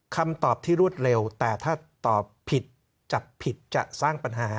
คำตอบที่รวดเร็วแต่ถ้าตอบผิดจับผิดจะสร้างปัญหา